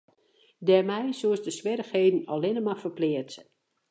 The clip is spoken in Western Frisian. Dêrmei soest de swierrichheden allinne mar ferpleatse.